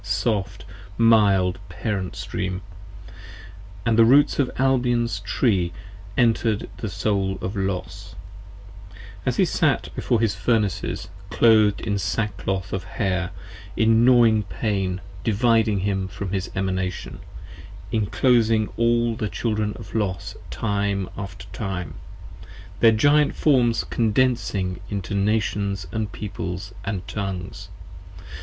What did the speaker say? soft, mild, parent stream. And the roots of Albion's Tree enter'd the Soul of Los 5 As he sat before his Furnaces clothed in sackcloth of hair, In gnawing pain dividing him from his Emanation: Inclosing all the Children of Los time after time, Their Giant forms condensing into Nations & Peoples & Tongues.